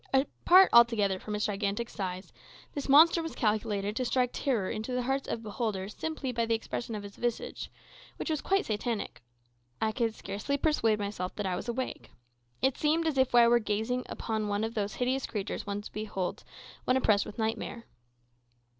Apart altogether from its gigantic size, this monster was calculated to strike terror into the hearts of beholders simply by the expression of its visage, which was quite satanic. I could scarcely persuade myself that I was awake. It seemed as if I were gazing on one of those hideous creatures one beholds when oppressed with nightmare.